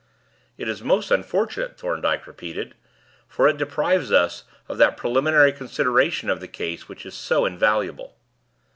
"It is most unfortunate," Thorndyke repeated, "for it deprives us of that preliminary consideration of the case which is so invaluable."